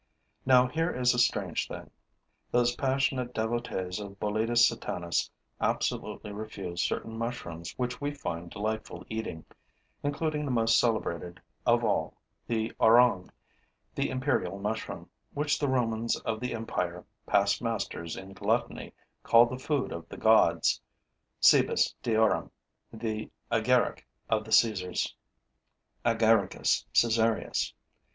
Now here is a strange thing: those passionate devotees of Boletus Satanas absolutely refuse certain mushrooms which we find delightful eating, including the most celebrated of all, the oronge, the imperial mushroom, which the Romans of the empire, past masters in gluttony, called the food of the gods, cibus deorum, the agaric of the Caesars, Agaricus caesareus.